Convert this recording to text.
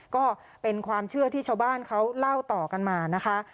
ก็เป็นความเชื่อที่ชาวบ้านเขาเล่าต่อกันมานะคะ